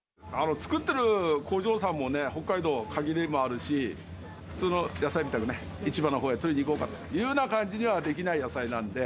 作ってる工場さんもね、北海道、限りもあるし、普通の野菜みたくね、市場のほうに取りに行こうかというふうな感じにはできない野菜なんで。